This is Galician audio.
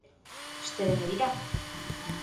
Vostede me dirá.